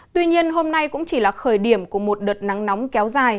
tuy nhiên hôm nay cũng chỉ là khởi điểm của một đợt nắng nóng kéo dài